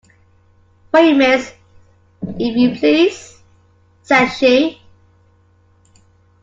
"For you, miss, if you please," said she.